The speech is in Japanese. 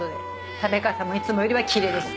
食べ方もいつもよりは奇麗です。